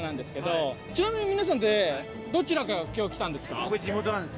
ちなみに皆さんってどちらから今日来たんですか？